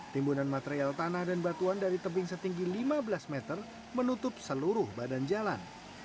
timbunan material tanah dan batuan dari tebing setinggi lima belas meter menutup seluruh badan jalan